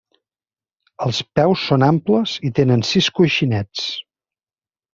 Els peus són amples i tenen sis coixinets.